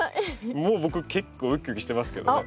もう僕結構ウキウキしてますけどね。